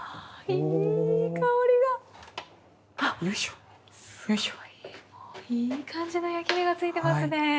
いい感じの焼き目が付いてますね。